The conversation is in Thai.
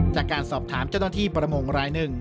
จากการสอบถามเจ้าหน้าที่ประมงรายหนึ่ง